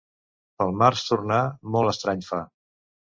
Pel març tronar, molt estrany fa.